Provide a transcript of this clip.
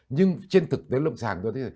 nhưng trên thực tế lộng sàng